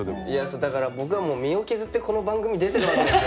だから僕はもう身を削ってこの番組出てるわけですよ。